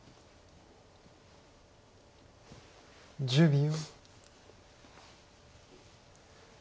１０秒。